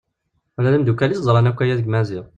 Ula d imddukal-is ẓran akk aya deg Maziɣ.